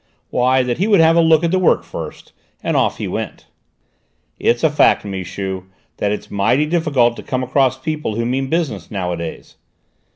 Why, that he would have a look at the work first, and off he went." "It's a fact, Michu, that it's mighty difficult to come across people who mean business nowadays.